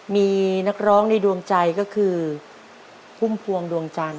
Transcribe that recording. มีนักร้องในดวงใจก็คือพุ่มพวงดวงจันท